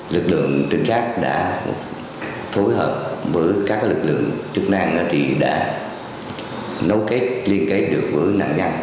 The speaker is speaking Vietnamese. lực lượng trinh sát đã phối hợp với các lực lượng chức năng đã nấu kết liên kế được với nạn nhân